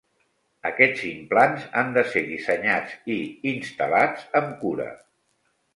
Aquests implants han de ser dissenyats i instal·lats amb cura.